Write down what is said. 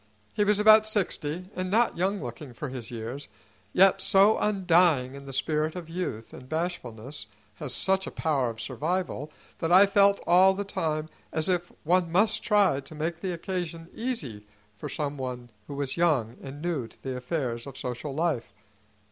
He was about sixty, and not young looking for his years, yet so undying is the spirit of youth, and bashfulness has such a power of survival, that I felt all the time as if one must try to make the occasion easy for some one who was young and new to the affairs of social life.